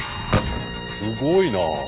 すごいな。